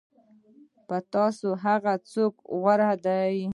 په تاسو کې هغه څوک غوره دی.